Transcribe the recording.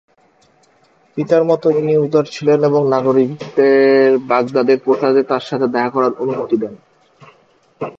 পিতার মত ইনি উদার ছিলেন এবং নাগরিকদের বাগদাদের প্রাসাদে তার সাথে দেখা করার অনুমতি দেন।